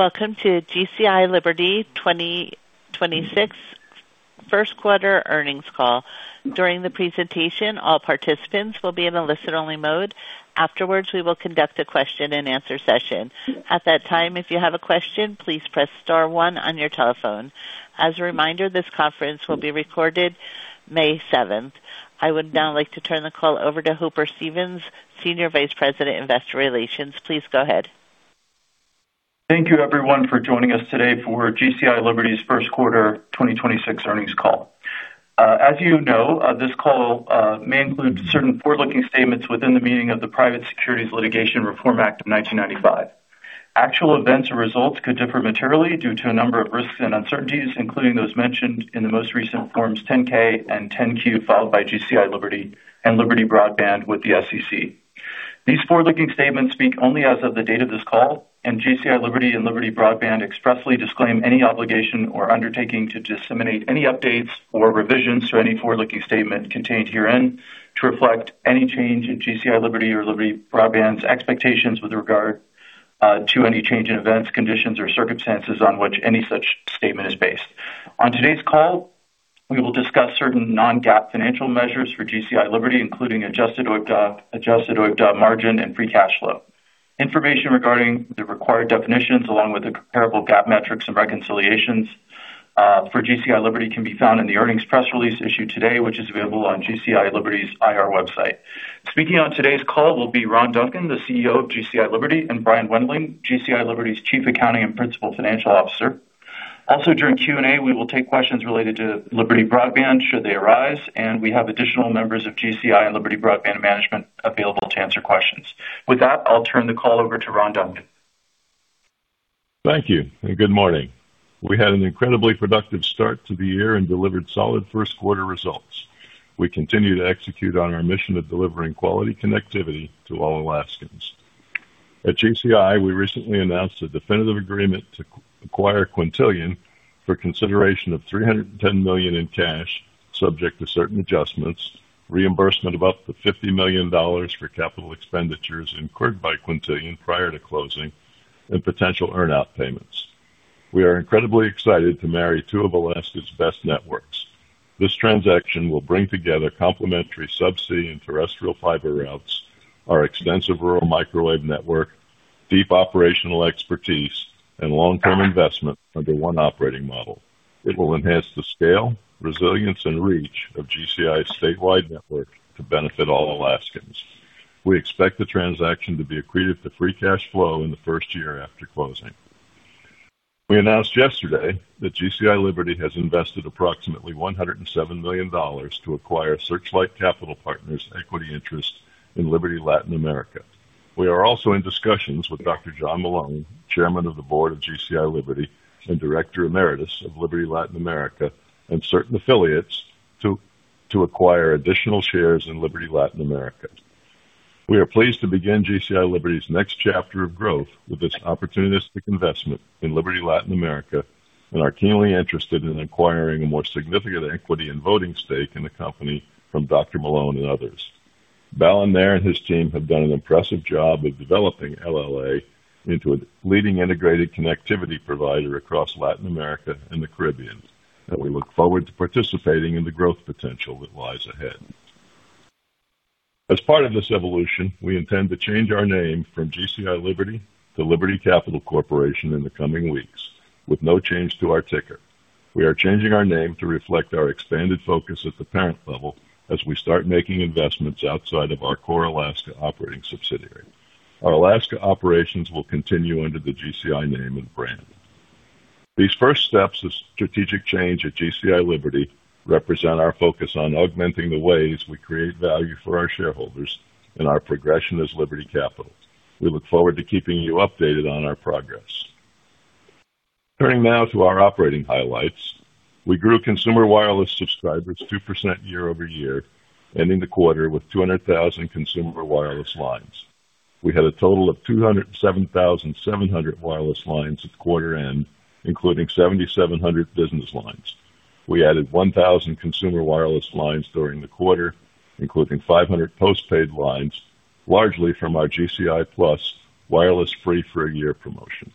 Welcome to GCI Liberty 2026 first quarter earnings call. During the presentation, all participants will be in a listen only mode. Afterwards, we will conduct a question-and-answer session. At that time, if you have a question, please press star one on your telephone. As a reminder, this conference will be recorded May 7th. I would now like to turn the call over to Hooper Stevens, Senior Vice President, Investor Relations. Please go ahead. Thank you, everyone, for joining us today for GCI Liberty's first quarter 2026 earnings call. As you know, this call may include certain forward-looking statements within the meaning of the Private Securities Litigation Reform Act of 1995. Actual events or results could differ materially due to a number of risks and uncertainties, including those mentioned in the most recent forms 10-K and 10-Q filed by GCI Liberty and Liberty Broadband with the SEC. These forward-looking statements speak only as of the date of this call and GCI Liberty and Liberty Broadband expressly disclaim any obligation or undertaking to disseminate any updates or revisions to any forward-looking statement contained herein to reflect any change in GCI Liberty or Liberty Broadband's expectations with regard to any change in events, conditions, or circumstances on which any such statement is based. On today's call, we will discuss certain non-GAAP financial measures for GCI Liberty, including Adjusted OIBDA, Adjusted OIBDA margin, and free cash flow. Information regarding the required definitions along with the comparable GAAP metrics and reconciliations for GCI Liberty can be found in the earnings press release issued today, which is available on GCI Liberty's IR website. Speaking on today's call will be Ron Duncan, the CEO of GCI Liberty, and Brian Wendling, GCI Liberty's Chief Accounting and Principal Financial Officer. Also, during Q&A, we will take questions related to Liberty Broadband should they arise, and we have additional members of GCI and Liberty Broadband management available to answer questions. With that, I'll turn the call over to Ron Duncan. Thank you and good morning. We had an incredibly productive start to the year and delivered solid first quarter results. We continue to execute on our mission of delivering quality connectivity to all Alaskans. At GCI, we recently announced a definitive agreement to acquire Quintillion for consideration of $310 million in cash, subject to certain adjustments, reimbursement of up to $50 million for capital expenditures incurred by Quintillion prior to closing and potential earn out payments. We are incredibly excited to marry two of Alaska's best networks. This transaction will bring together complementary subsea and terrestrial fiber routes, our extensive rural microwave network, deep operational expertise and long-term investment under one operating model. It will enhance the scale, resilience, and reach of GCI's statewide network to benefit all Alaskans. We expect the transaction to be accretive to free cash flow in the first year after closing. We announced yesterday that GCI Liberty has invested approximately $107 million to acquire Searchlight Capital Partners equity interest in Liberty Latin America. We are also in discussions with Dr. John Malone, Chairman of the Board of GCI Liberty and Director Emeritus of Liberty Latin America, and certain affiliates to acquire additional shares in Liberty Latin America. We are pleased to begin GCI Liberty's next chapter of growth with this opportunistic investment in Liberty Latin America and are keenly interested in acquiring a more significant equity and voting stake in the company from Dr. Malone and others. Balan Nair and his team have done an impressive job of developing LLA into a leading integrated connectivity provider across Latin America and the Caribbean, and we look forward to participating in the growth potential that lies ahead. As part of this evolution, we intend to change our name from GCI Liberty to Liberty Capital Corporation in the coming weeks with no change to our ticker. We are changing our name to reflect our expanded focus at the parent level as we start making investments outside of our core Alaska operating subsidiary. Our Alaska operations will continue under the GCI name and brand. These first steps of strategic change at GCI Liberty represent our focus on augmenting the ways we create value for our shareholders and our progression as Liberty Capital. We look forward to keeping you updated on our progress. Turning now to our operating highlights. We grew consumer wireless subscribers 2% year-over-year, ending the quarter with 200,000 consumer wireless lines. We had a total of 207,700 wireless lines at quarter end, including 7,700 business lines. We added 1,000 consumer wireless lines during the quarter, including 500 postpaid lines, largely from our GCI+ wireless free for a year promotion.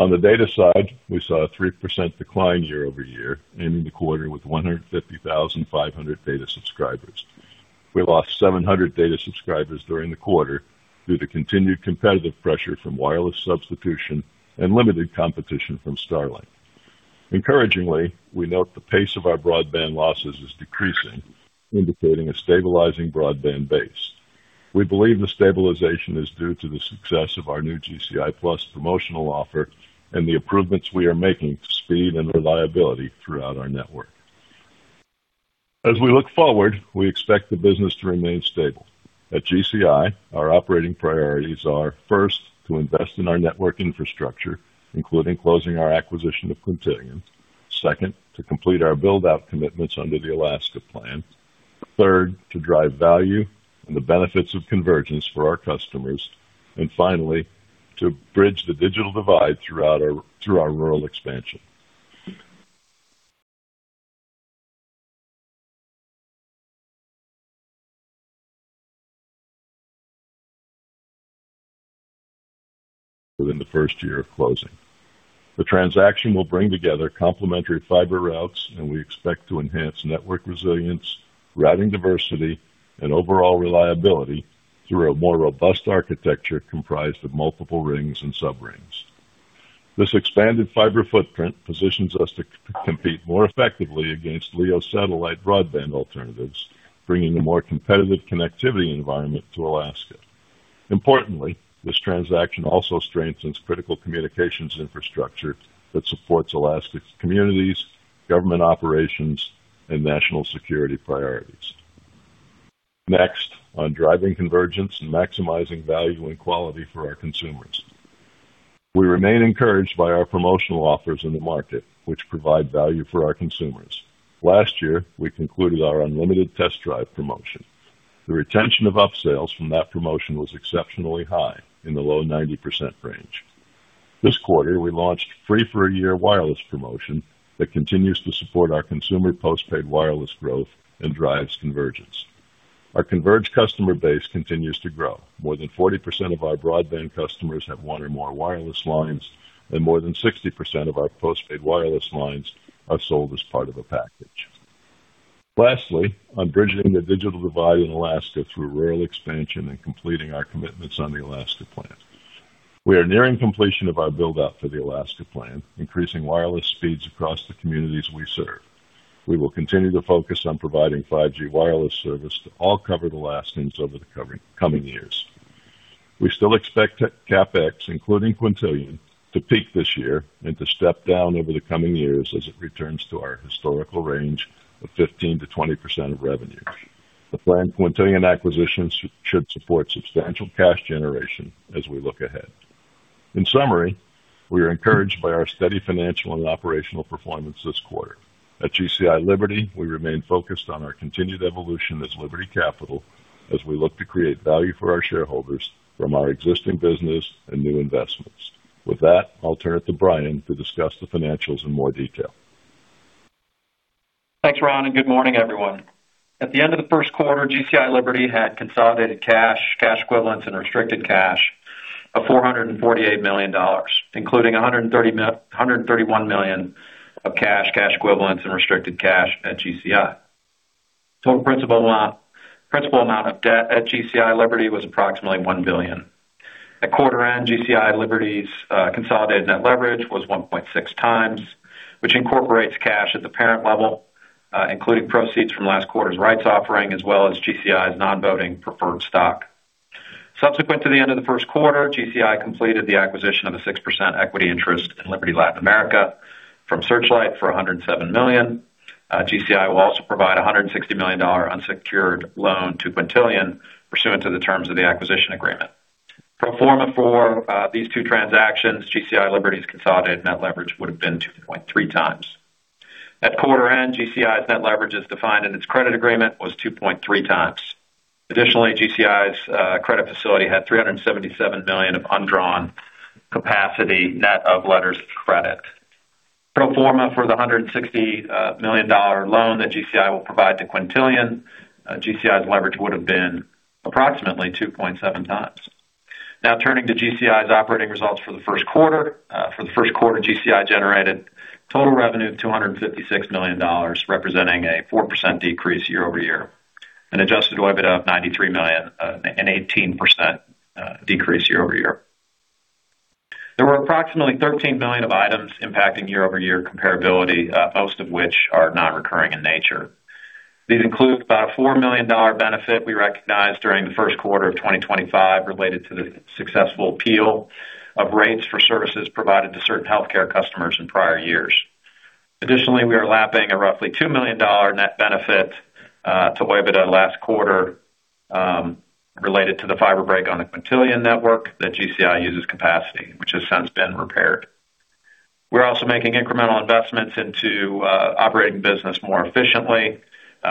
On the data side, we saw a 3% decline year-over-year, ending the quarter with 15,500 data subscribers. We lost 700 data subscribers during the quarter due to continued competitive pressure from wireless substitution and limited competition from Starlink. Encouragingly, we note the pace of our broadband losses is decreasing, indicating a stabilizing broadband base. We believe the stabilization is due to the success of our new GCI+ promotional offer and the improvements we are making to speed and reliability throughout our network. As we look forward, we expect the business to remain stable. At GCI, our operating priorities are first, to invest in our network infrastructure, including closing our acquisition of Quintillion. Second, to complete our build-out commitments under the Alaska Plan. Third, to drive value and the benefits of convergence for our customers. Finally, to bridge the digital divide through our rural expansion. Within the first year of closing, the transaction will bring together complementary fiber routes, and we expect to enhance network resilience, routing diversity, and overall reliability through a more robust architecture comprised of multiple rings and sub-rings. This expanded fiber footprint positions us to compete more effectively against LEO satellite broadband alternatives, bringing a more competitive connectivity environment to Alaska. Importantly, this transaction also strengthens critical communications infrastructure that supports Alaska's communities, government operations, and national security priorities. Next, on driving convergence and maximizing value and quality for our consumers. We remain encouraged by our promotional offers in the market, which provide value for our consumers. Last year, we concluded our unlimited test drive promotion. The retention of upsells from that promotion was exceptionally high in the low 90% range. This quarter, we launched free for a year wireless promotion that continues to support our consumer postpaid wireless growth and drives convergence. Our converged customer base continues to grow. More than 40% of our broadband customers have one or more wireless lines, and more than 60% of our postpaid wireless lines are sold as part of a package. Lastly, on bridging the digital divide in Alaska through rural expansion and completing our commitments on the Alaska Plan. We are nearing completion of our build-out for the Alaska Plan, increasing wireless speeds across the communities we serve. We will continue to focus on providing 5G wireless service to all cover the last things over the coming years. We still expect CapEx, including Quintillion, to peak this year and to step down over the coming years as it returns to our historical range of 15%-20% of revenue. The Quintillion acquisition should support substantial cash generation as we look ahead. In summary, we are encouraged by our steady financial and operational performance this quarter. At GCI Liberty, we remain focused on our continued evolution as Liberty Capital as we look to create value for our shareholders from our existing business and new investments. With that, I'll turn it to Brian to discuss the financials in more detail. Thanks, Ron, and good morning, everyone. At the end of the first quarter, GCI Liberty had consolidated cash equivalents, and restricted cash of $448 million, including $131 million of cash equivalents, and restricted cash at GCI. Total principal amount of debt at GCI Liberty was approximately $1 billion. At quarter end, GCI Liberty's consolidated net leverage was 1.6x, which incorporates cash at the parent level, including proceeds from last quarter's rights offering as well as GCI's non-voting preferred stock. Subsequent to the end of the first quarter, GCI completed the acquisition of a 6% equity interest in Liberty Latin America from Searchlight for $107 million. GCI will also provide a $160 million unsecured loan to Quintillion pursuant to the terms of the acquisition agreement. Pro forma for these two transactions, GCI Liberty's consolidated net leverage would have been 2.3x. At quarter end, GCI's net leverage, as defined in its credit agreement, was 2.3x. Additionally, GCI's credit facility had $377 million of undrawn capacity net of letters of credit. Pro forma for the $160 million loan that GCI will provide to Quintillion, GCI's leverage would have been approximately 2.7x. Now turning to GCI's operating results for the first quarter. For the first quarter, GCI generated total revenue of $256 million, representing a 4% decrease year-over-year. An Adjusted OIBDA of $93 million, an 18% decrease year-over-year. There were approximately $13 million of items impacting year-over-year comparability, most of which are non-recurring in nature. These include about a $4 million benefit we recognized during the first quarter of 2025 related to the successful appeal of rates for services provided to certain healthcare customers in prior years. Additionally, we are lapping a roughly $2 million net benefit to OIBDA last quarter, related to the fiber break on the Quintillion network that GCI uses capacity, which has since been repaired. We're also making incremental investments into operating business more efficiently,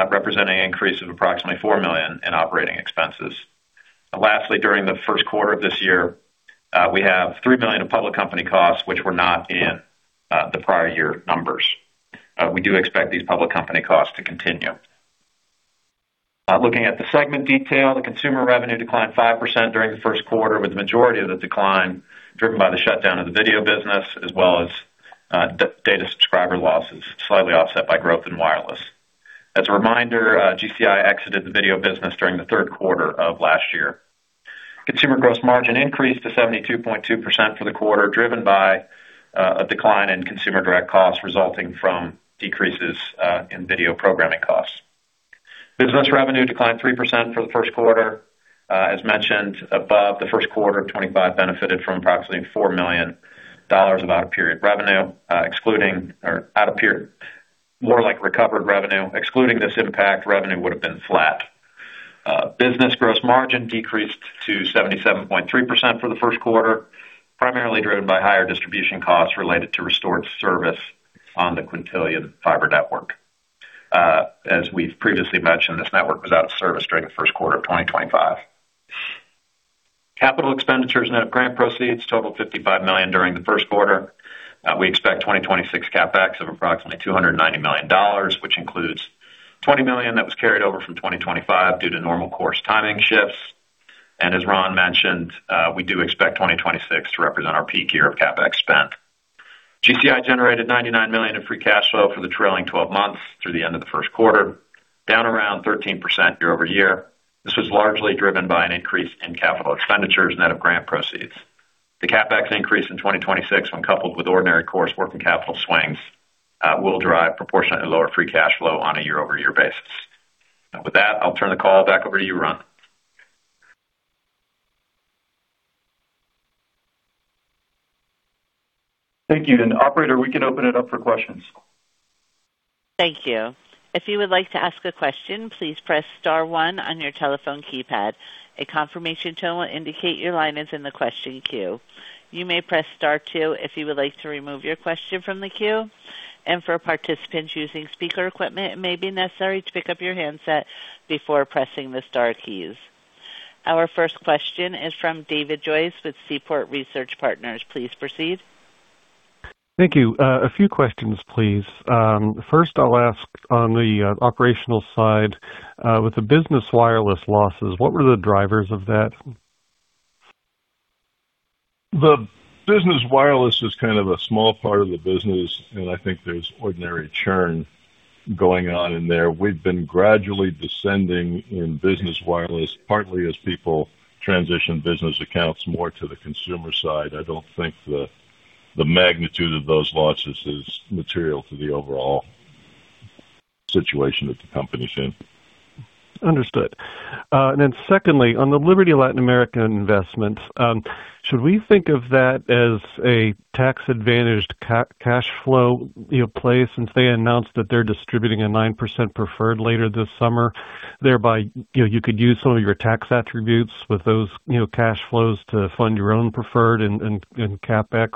representing an increase of approximately $4 million in operating expenses. Lastly, during the first quarter of this year, we have $3 million of public company costs which were not in the prior year numbers. We do expect these public company costs to continue. Looking at the segment detail, the consumer revenue declined 5% during the first quarter, with the majority of the decline driven by the shutdown of the video business as well as data subscriber losses slightly offset by growth in wireless. As a reminder, GCI exited the video business during the third quarter of last year. Consumer gross margin increased to 72.2% for the quarter, driven by a decline in consumer direct costs resulting from decreases in video programming costs. Business revenue declined 3% for the first quarter. As mentioned above, the first quarter of 2025 benefited from approximately $4 million of out-of-period revenue, excluding or out of period, more like recovered revenue. Excluding this impact, revenue would have been flat. Business gross margin decreased to 77.3% for the first quarter, primarily driven by higher distribution costs related to restored service on the Quintillion fiber network. As we've previously mentioned, this network was out of service during the first quarter of 2025. Capital expenditures net of grant proceeds totaled $55 million during the first quarter. We expect 2026 CapEx of approximately $290 million, which includes $20 million that was carried over from 2025 due to normal course timing shifts. As Ron mentioned, we do expect 2026 to represent our peak year of CapEx spend. GCI generated $99 million in free cash flow for the trailing 12 months through the end of the first quarter, down around 13% year-over-year. This was largely driven by an increase in CapEx net of grant proceeds. The CapEx increase in 2026, when coupled with ordinary course working capital swings, will drive proportionately lower free cash flow on a year-over-year basis. With that, I'll turn the call back over to you, Ron. Thank you. Operator, we can open it up for questions. Thank you. If you would like to ask a question, please press star one on your telephone keypad. A confirmation tone will indicate your line is in the question queue. You may press star two if you would like to remove your question from the queue. And for participants using speaker equipment, it may be necessary to pick up your handset before pressing the star keys. Our first question is from David Joyce with Seaport Research Partners. Please proceed. Thank you. A few questions, please. First I'll ask on the operational side, with the Business Wireless losses, what were the drivers of that? The Business Wireless is kind of a small part of the business, and I think there's ordinary churn going on in there. We've been gradually descending in Business Wireless, partly as people transition business accounts more to the consumer side. I don't think the magnitude of those losses is material to the overall situation that the company is in. Understood. Then secondly, on the Liberty Latin America investments, should we think of that as a tax-advantaged cash flow, you know, place since they announced that they're distributing a 9% preferred later this summer, thereby, you know, you could use some of your tax attributes with those, you know, cash flows to fund your own preferred and CapEx?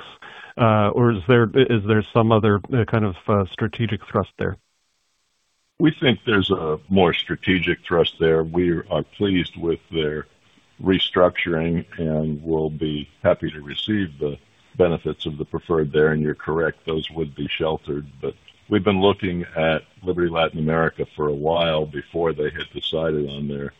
Or is there some other kind of strategic thrust there? We think there's a more strategic thrust there. We are pleased with their restructuring and will be happy to receive the benefits of the preferred there. You're correct, those would be sheltered. We've been looking at Liberty Latin America for a while before they had decided on their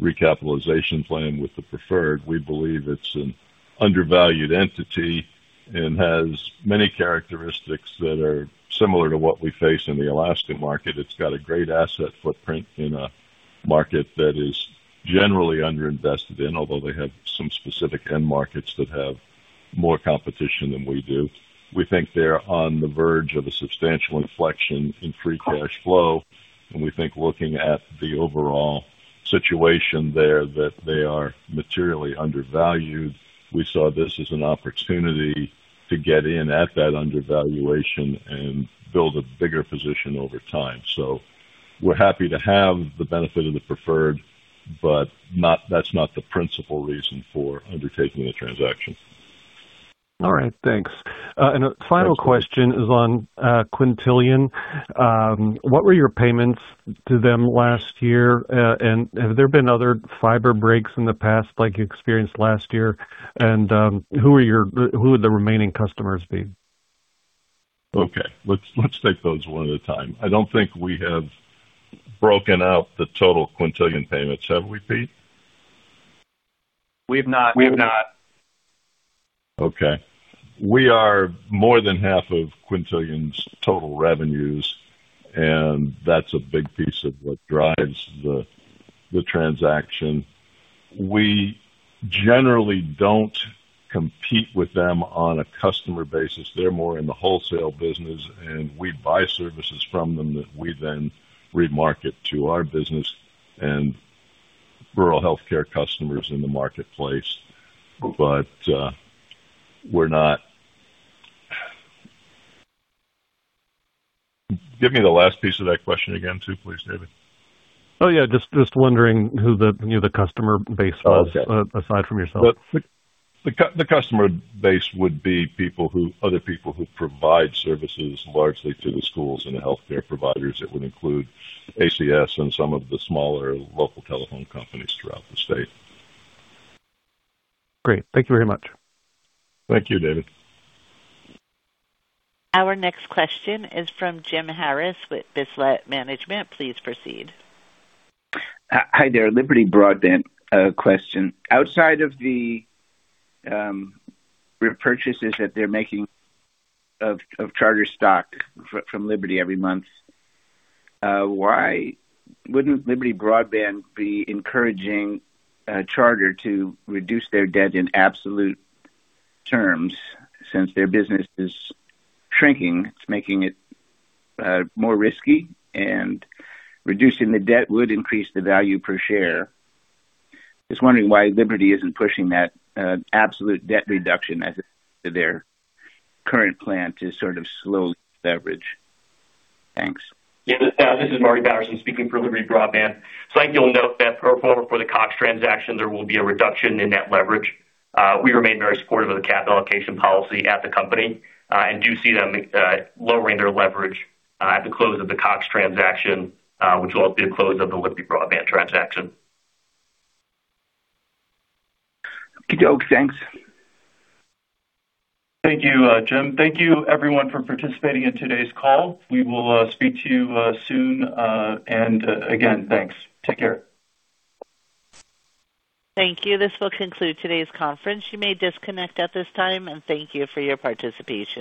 recapitalization plan with the preferred. We believe it's an undervalued entity and has many characteristics that are similar to what we face in the Alaskan market. It's got a great asset footprint in a market that is generally underinvested in, although they have some specific end markets that have more competition than we do. We think they're on the verge of a substantial inflection in free cash flow, and we think, looking at the overall situation there, that they are materially undervalued. We saw this as an opportunity to get in at that undervaluation and build a bigger position over time. We're happy to have the benefit of the preferred, but that's not the principal reason for undertaking the transaction. All right, thanks. A final question is on Quintillion. What were your payments to them last year? Have there been other fiber breaks in the past like you experienced last year? Who would the remaining customers be? Okay, let's take those one at a time. I don't think we have broken out the total Quintillion payments. Have we? We have not. Okay. We are more than half of Quintillion's total revenues. That's a big piece of what drives the transaction. We generally don't compete with them on a customer basis. They're more in the wholesale business. We buy services from them that we then remarket to our business and rural healthcare customers in the marketplace. Give me the last piece of that question again too, please, David. Oh, yeah. Just wondering who the, you know, the customer base was. Okay. Aside from yourself. The customer base would be other people who provide services largely to the schools and the healthcare providers. It would include ACS and some of the smaller local telephone companies throughout the state. Great. Thank you very much. Thank you, David. Our next question is from Jim Harris with Bislett Management. Please proceed. Hi there. Liberty Broadband question. Outside of the repurchases that they're making of Charter stock from Liberty every month, why wouldn't Liberty Broadband be encouraging Charter to reduce their debt in absolute terms since their business is shrinking? It's making it more risky, and reducing the debt would increase the value per share. Just wondering why Liberty isn't pushing that absolute debt reduction as their current plan to sort of slowly deleverage. Thanks. Yeah, this is Marty Patterson speaking for Liberty Broadband. I think you'll note that pro forma for the Cox transaction, there will be a reduction in net leverage. We remain very supportive of the capital allocation policy at the company, and do see them lowering their leverage at the close of the Cox transaction, which will also be the close of the Liberty Broadband transaction. Okay. Thanks. Thank you, Jim. Thank you everyone for participating in today's call. We will speak to you soon. Again, thanks. Take care. Thank you. This will conclude today's conference. You may disconnect at this time, and thank you for your participation.